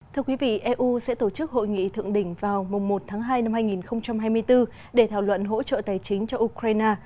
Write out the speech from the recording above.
thưa quý vị eu sẽ tổ chức hội nghị thượng đỉnh vào mùa một tháng hai năm hai nghìn hai mươi bốn để thảo luận hỗ trợ tài chính cho ukraine